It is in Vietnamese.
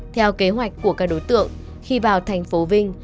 theo kế hoạch của các đối tượng khi vào thành phố vinh